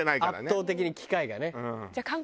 圧倒的に機会がね。